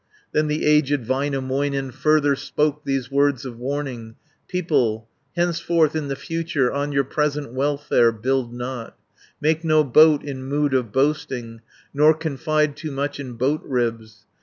Then the aged Väinämöinen Further spoke these words of warning: "People, henceforth in the future On your present welfare build not, 580 Make no boat in mood of boasting, Nor confide too much in boat ribs.